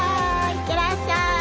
行ってらっしゃい！